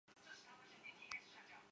杜预认为知盈是知朔的弟弟。